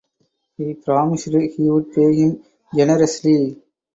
He promised he would pay him generously.